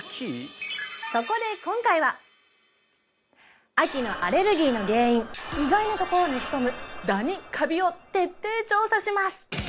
そこで今回は秋のアレルギーの原因意外なところに潜むダニカビを徹底調査します！